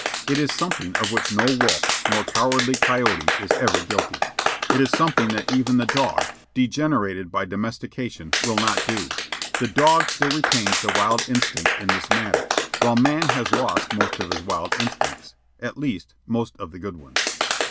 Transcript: It is something of which no wolf nor cowardly coyote is ever guilty. It is something that even the dog, degenerated by domestication, will not do. The dog still retains the wild instinct in this matter, while man has lost most of his wild instincts at least, most of the good ones.